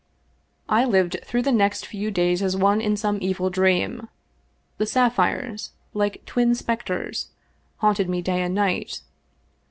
I lived through the next few days as one in some evil dream. The sapphires, like twin specters, haunted me day and night.